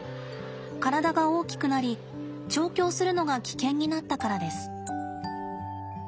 体が大きくなり調教するのが危険になったからです。